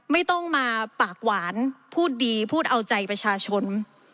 ไม่ต้องมาปากหวานพูดดีพูดเอาใจประชาชน